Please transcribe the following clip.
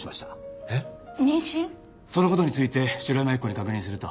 その事について城山由希子に確認すると。